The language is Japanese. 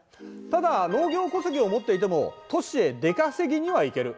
ただ農業戸籍を持っていても都市へ出稼ぎには行ける。